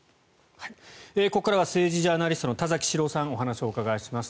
ここからは政治ジャーナリストの田崎史郎さんにお話を伺いします。